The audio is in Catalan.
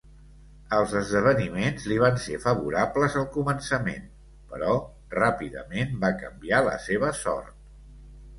Els esdeveniments li van ser favorables al començament, però ràpidament va canviar la seva sort.